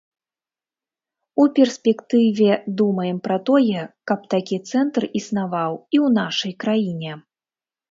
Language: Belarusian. У перспектыве думаем пра тое, каб такі цэнтр існаваў і ў нашай краіне.